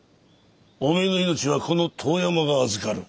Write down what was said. おめえの命はこの遠山が預かる。